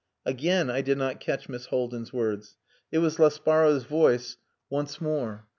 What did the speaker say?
Again I did not catch Miss Haldin's words. It was Laspara's voice once more.